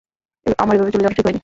আমার এভাবে চলে যাওয়াটা ঠিক হয়নি।